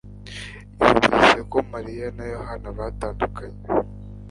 yumvise ko mariya na yohana batandukanye